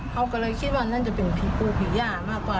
เขาก็เลยคิดว่านั่นจะเป็นผีปูผีย่ามากกว่า